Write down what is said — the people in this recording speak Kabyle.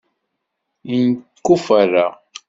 Yenkuffera.